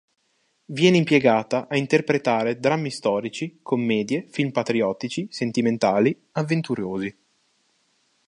Viene impiegata a interpretare drammi storici, commedie, film patriottici, sentimentali, avventurosi.